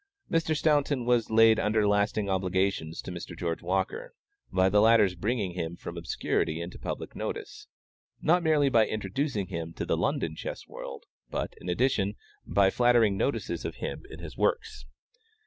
Mr. Staunton was laid under lasting obligations to Mr. George Walker, by the latter's bringing him from obscurity into public notice, not merely by introducing him to the London chess world, but, in addition, by flattering notices of him in his works.